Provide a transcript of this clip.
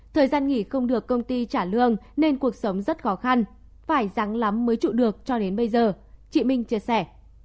thời gian nghỉ không được công ty trả lương nên cuộc sống rất khó khăn phải rắn lắm mới trụ được cho đến bây giờ chị minh chia sẻ